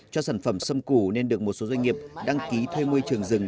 cho sản phẩm xâm củ nên được một số doanh nghiệp đăng ký thuê môi trường rừng